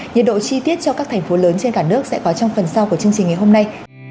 nhiệt độ chi tiết cho các thành phố lớn trên cả nước sẽ có trong phần sau của chương trình ngày hôm nay